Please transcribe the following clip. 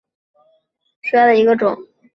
大帽山耳草为茜草科耳草属下的一个种。